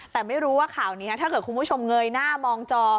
แต่ไม่รู้ว่าข่าวนี้ถ้าเกิดคุณผู้ชมเงยหน้ามองจอ